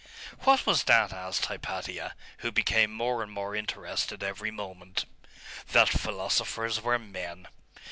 'What was that?' asked Hypatia, who became more and more interested every moment. 'That philosophers were men.